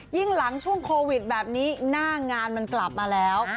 หลังช่วงโควิดแบบนี้หน้างานมันกลับมาแล้ว